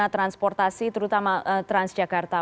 transportasi terutama transjakarta